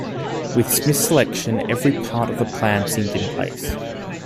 With Smith's election, every part of the plan seemed in place.